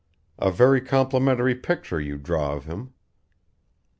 "A very complimentary picture you draw of him."